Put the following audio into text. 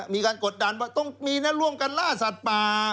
มีการกดดันว่าต้องมีนักร่วงการล่าสัตว์ป่า